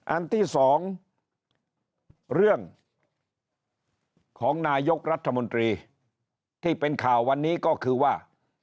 อันที่สองเรื่องของนายกรัฐมนตรีที่เป็นข่าววันนี้ก็คือว่า